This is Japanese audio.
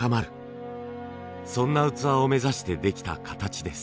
そんな器を目指してできた形です。